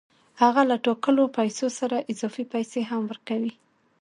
هغه له ټاکلو پیسو سره اضافي پیسې هم ورکوي